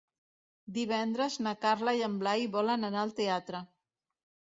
Divendres na Carla i en Blai volen anar al teatre.